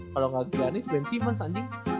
kalau gak giannis ben simmons anjing